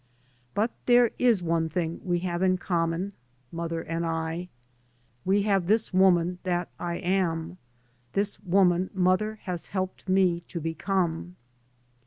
But there is one thing we have in common, mother and I. We have this woman that I am, this woman mother has helped me to be come.